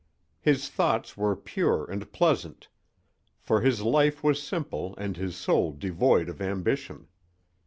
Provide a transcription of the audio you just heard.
His thoughts were pure and pleasant, for his life was simple and his soul devoid of ambition.